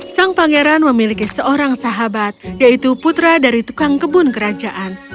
sang pangeran memiliki seorang sahabat yaitu putra dari tukang kebun kerajaan